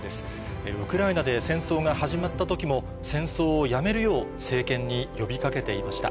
ウクライナで戦争が始まった時も戦争をやめるよう政権に呼び掛けていました。